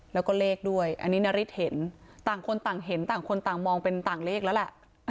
แล้วก็เลขด้วยอันนี้นาริสเห็นต่างคนต่างเห็นต่างคนต่างมองเป็นต่างเลขแล้วแหละ